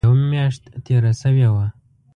یوه میاشت تېره شوې وه.